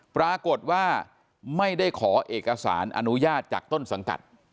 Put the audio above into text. ปรากฏว่าไม่ได้ขอเอกสารอนุญาตจากต้นสังกัด